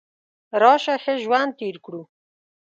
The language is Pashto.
راشه ښه ژوند تیر کړو .